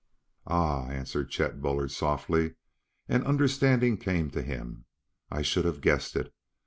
"Ah h!" answered Chet Bullard softly, as understanding came to him. "I should have guessed it.